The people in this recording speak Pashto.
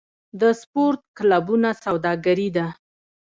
د سپورت کلبونه سوداګري ده؟